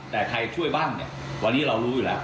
แต่ใครช่วยบ้างเนี่ยวันนี้เรารู้อยู่แล้ว